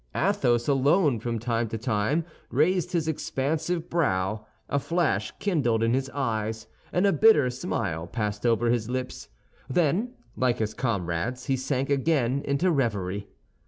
Athos alone from time to time raised his expansive brow; a flash kindled in his eyes, and a bitter smile passed over his lips, then, like his comrades, he sank again into reverie.